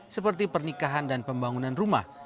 seperti pernikahan dan pembangunan rumah